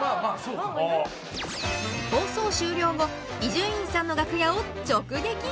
放送終了後伊集院さんの楽屋を直撃。